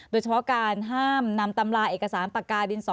โดยเฉพาะการห้ามนำตำราเอกสารปากกาดินสอ